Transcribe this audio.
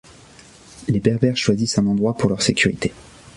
Les Berbères choisissent un endroit pour leur sécurité.